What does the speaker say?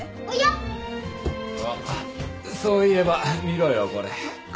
あっそういえば見ろよこれ。